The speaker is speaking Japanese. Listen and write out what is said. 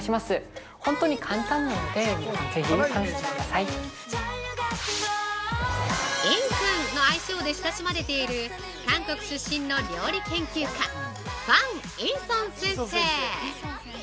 ◆「いんくん」の愛称で親しまれている韓国出身の料理研究家ファン・インソン先生。